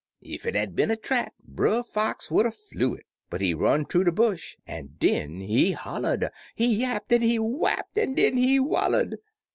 Ef it had 'a' been a track Brer Fox would 'a' flew it. But he run thoo de bush an' den he holier'd — He yapped an' he wapped an' den he wailer'd.